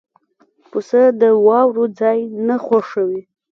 پسه د واورو ځای نه خوښوي.